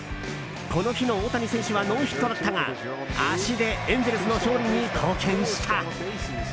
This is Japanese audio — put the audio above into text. この日の大谷選手はノーヒットだったが足でエンゼルスの勝利に貢献した。